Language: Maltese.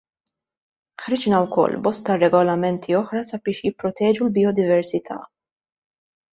Ħriġna wkoll bosta regolamenti oħra sabiex jipproteġu l-biodiversità.